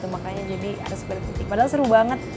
makanya jadi harus berhenti padahal seru banget